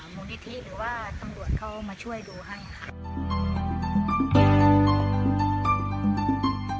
มูลนิธิหรือว่าตำรวจเขามาช่วยดูให้ค่ะ